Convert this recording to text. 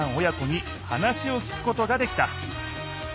親子に話を聞くことができた。